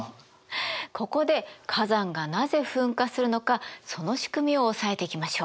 ここで火山がなぜ噴火するのかその仕組みを押さえていきましょう。